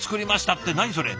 って何それ？